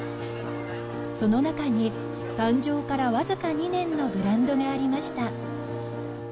その中に誕生からわずか２年のブランドがありました。